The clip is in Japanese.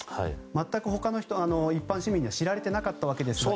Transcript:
全く他の人、一般市民には知られていなかったんです。